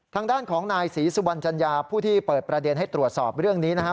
ทางด้านของนายศรีสุวรรณจัญญาผู้ที่เปิดประเด็นให้ตรวจสอบเรื่องนี้นะครับ